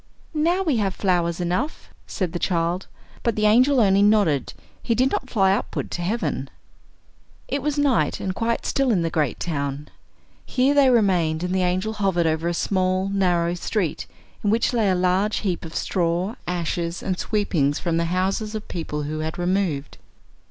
"Now we have flowers enough," said the child; but the angel only nodded, he did not fly upward to heaven. It was night, and quite still in the great town. Here they remained, and the angel hovered over a small, narrow street, in which lay a large heap of straw, ashes, and sweepings from the houses of people who had removed.